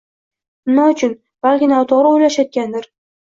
Nima uchun? Balki noto‘g‘ri o‘rgatishayotgandir?